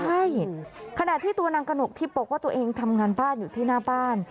ใช่ขณะที่ตัวนางกระหนกทิพย์บอกว่าตัวเองทำงานบ้านอยู่ที่หน้าบ้าน